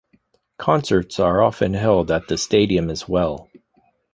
Concerts are often held at the stadium as well.